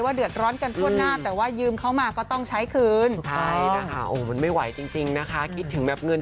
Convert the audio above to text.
เผื่อดีมันจะต้องแบบเราก็ต้องอยู่ได้เพราะอีกอย่างนึง